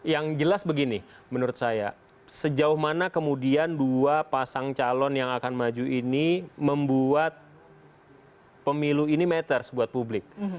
yang jelas begini menurut saya sejauh mana kemudian dua pasang calon yang akan maju ini membuat pemilu ini matters buat publik